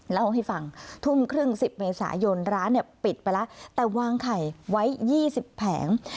เล่าให้ฟังทุ่มครึ่ง๑๐เมษายนร้านเนี่ยปิดไปแล้วแต่วางไข่ไว้๒๐แผง